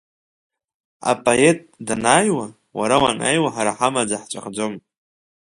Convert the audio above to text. Апоет данааиуа, уара уанааиуа ҳара ҳамаӡа ҳҵәахӡом.